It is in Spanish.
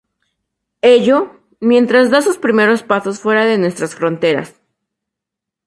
Ello, mientras da sus primero pasos fuera de nuestras fronteras.